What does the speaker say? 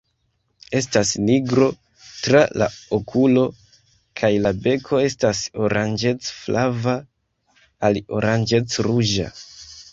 Estas nigro tra la okulo kaj la beko estas oranĝec-flava al oranĝec-ruĝa.